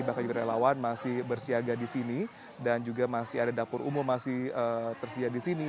bahkan juga relawan masih bersiaga di sini dan juga masih ada dapur umum masih tersedia di sini